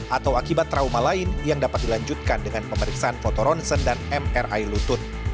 atau akibat trauma lain yang dapat dilanjutkan dengan pemeriksaan fotoronsen dan mri lutut